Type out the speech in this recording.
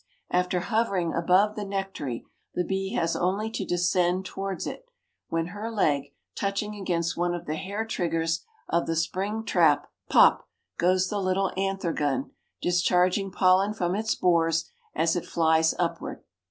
After hovering above the nectary, the bee has only to descend towards it, when her leg, touching against one of the hair triggers of the spring trap, pop! goes the little anther gun, discharging pollen from its bores as it flies upward.